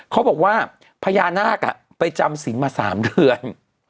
เขาบอกว่าพญานาคไปจำสินมา๓เดือน